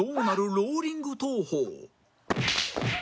ローリング投法